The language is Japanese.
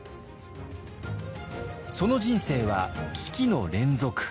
その人生は危機の連続。